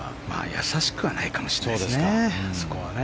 易しくはないかもしれないですね。